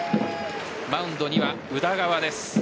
マウンドには宇田川です。